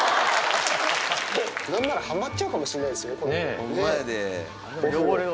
なんならはまっちゃうかもしれないですよ、お風呂。